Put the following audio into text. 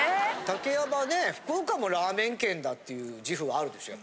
竹山ね福岡もラーメン県だっていう自負はあるでしょ